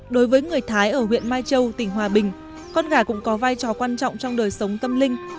đối với người thái ở huyện mai châu tỉnh hòa bình con gà cũng có vai trò quan trọng trong đời sống tâm linh